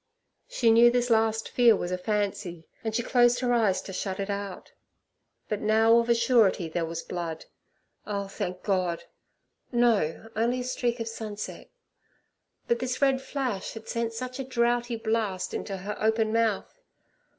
She knew this last fear was a fancy, and she closed her eyes to shut it out. But now of a surety there was blood. Oh, thank God! no—only a streak of sunset. But this red flash had sent such a droughty blast into her open mouth.